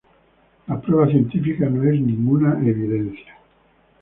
La prueba científica no es ninguna evidencia.